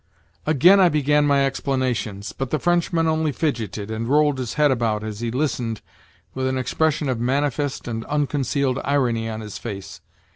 Again I began my explanations, but the Frenchman only fidgeted and rolled his head about as he listened with an expression of manifest and unconcealed irony on his face.